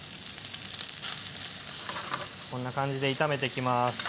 こんな感じで炒めていきます。